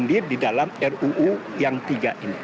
yang diakomodasi di dalam ruu yang tiga ini